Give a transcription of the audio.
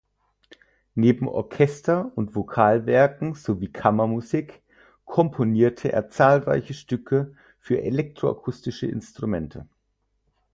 Neben Orchester- und Vokalwerken sowie Kammermusik komponierte er zahlreiche Stücke für elektroakustische Instrumente.